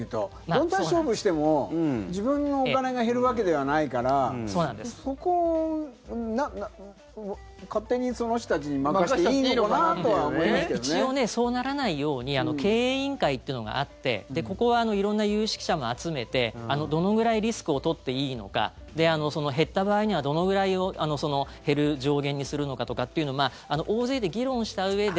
どんだけ勝負しても自分のお金が減るわけではないからそこを勝手にその人たちに任せて一応、そうならないように経営委員会っていうのがあってここは色んな有識者も集めてどのぐらいリスクを取っていいのか減った場合には、どのぐらいを減る上限にするのかっていうのを大勢で議論したうえで。